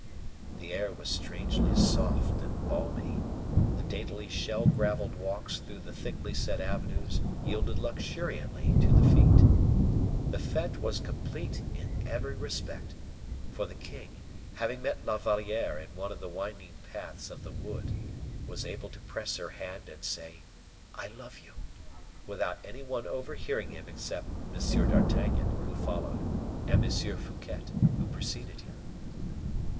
The air was strangely soft and balmy; the daintily shell gravelled walks through the thickly set avenues yielded luxuriously to the feet. The fete was complete in every respect, for the king, having met La Valliere in one of the winding paths of the wood, was able to press her hand and say, "I love you," without any one overhearing him except M. d'Artagnan, who followed, and M. Fouquet, who preceded him.